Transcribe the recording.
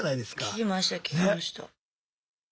聞きました聞きました。